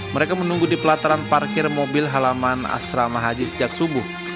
mereka menunggu di pelataran parkir mobil halaman asrama haji sejak subuh